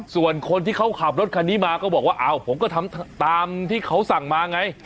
ส่วนคนที่เขาขับรถคันนี้มาก็บอกว่าอ้าวผมก็ทำตามที่เขาสั่งมาไง